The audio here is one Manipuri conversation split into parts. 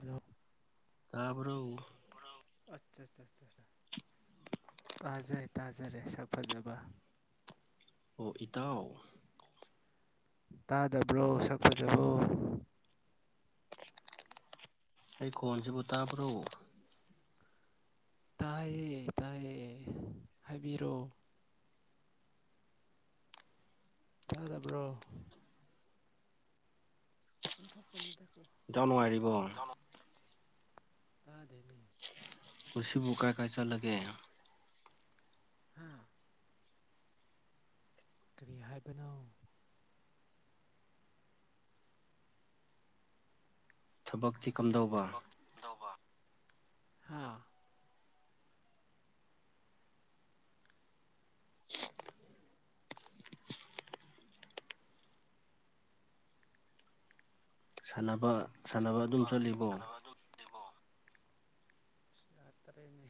ꯑꯗꯣ ꯇꯥꯄꯣ ꯑꯠꯆꯥ ꯑꯆꯥ ꯇꯥꯖꯩ ꯇꯥꯖꯔꯦꯁ ꯐꯖꯕ ꯑꯣ ꯏꯇꯥꯎ ꯇꯥꯗꯕ꯭ꯔꯣ ꯁꯛ ꯐꯖꯕꯣ ꯑꯩ ꯀꯣꯟꯁꯤꯕꯨ ꯇꯥꯕ꯭ꯔꯣ ꯇꯥꯏꯌꯦ ꯇꯥꯏꯌꯦ ꯍꯥꯏꯕꯤꯔꯣ ꯇꯥꯗꯕ꯭ꯔꯣ ꯑꯟꯊꯣꯛꯄꯅꯤꯗꯀꯣ ꯏꯇꯥꯎ ꯅꯨꯡꯉꯥꯏꯔꯤꯕꯣ ꯇꯥ ꯑꯗꯨꯅꯦ ꯄꯨꯁꯤ ꯣꯀꯥ ꯀꯥꯏꯆꯥꯂꯦ ꯍꯥ ꯀꯔꯤ ꯍꯥꯏꯕꯅꯣ ꯊꯕꯛꯇꯤ ꯀꯝꯗꯧꯕ ꯑ ꯁꯥꯟꯅꯕ ꯁꯥꯟꯅꯕ ꯑꯗꯨꯝ ꯆꯠꯂꯤꯕꯣ ꯌꯥꯇꯅꯤ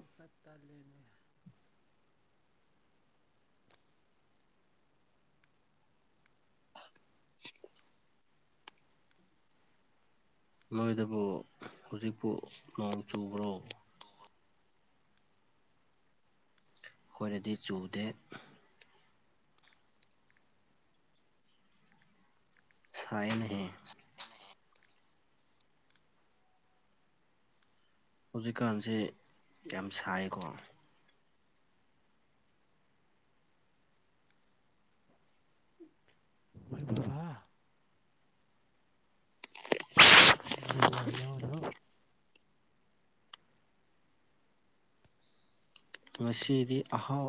ꯝ ꯇꯠ ꯇꯥꯂꯦꯅꯦ ꯅꯣꯏꯗꯕꯨ ꯍꯧꯖꯤꯛꯄꯨ ꯅꯣꯡ ꯆꯨꯕ꯭ꯔꯣ ꯑꯩꯈꯣꯏꯅꯗꯤ ꯆꯨꯗꯦ ꯊꯥꯏꯅꯍ ꯍꯧꯖꯤꯛꯀꯥꯟꯁꯦ ꯌꯥꯝ ꯁꯥꯏꯀꯣ ꯃꯣꯏ ꯄꯕꯥ ꯍꯜꯂꯣ ꯍꯜꯂꯣ ꯍꯜꯂꯣ ꯍꯜꯂꯣ [unintelligible] ꯃꯁꯤꯁꯤꯗꯤ ꯑꯍꯥꯎ